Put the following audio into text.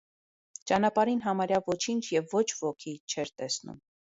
Ճանապարհին համարյա ոչինչ և ոչ ոքի չէր տեսնում: